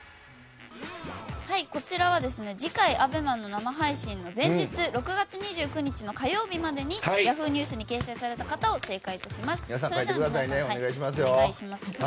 こちらは次回ＡＢＥＭＡの生配信の前日６月２９日の火曜日までにＹａｈｏｏ！ニュースに掲載された方を正解とします。